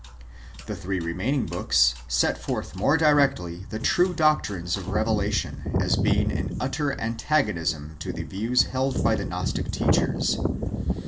The three remaining books set forth more directly the true doctrines of revelation, as being in utter antagonism to the views held by the Gnostic teachers.